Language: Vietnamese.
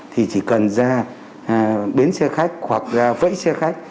thì chỉ cần ra đến xe khách hoặc ra vẫy xe khách